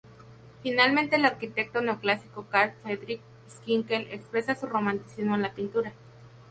Finalmente, el arquitecto neoclásico Karl Friedrich Schinkel expresa su romanticismo en la pintura.